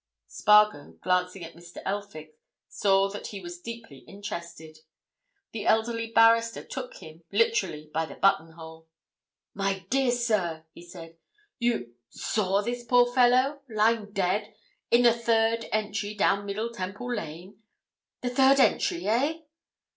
Spargo, glancing at Mr. Elphick, saw that he was deeply interested. The elderly barrister took him—literally—by the button hole. "My dear sir!" he said. "You—saw this poor fellow? Lying dead—in the third entry down Middle Temple Lane? The third entry, eh?"